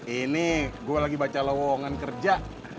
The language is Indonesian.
ini gue lagi baca lowongan kerja